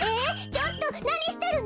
ちょっとなにしてるの？